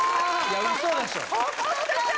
ウソでしょ。